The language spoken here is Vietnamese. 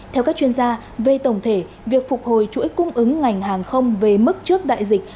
theo các chuyên gia về tổng thể việc phục hồi chuỗi cung ứng ngành hàng không về mức trước đại dịch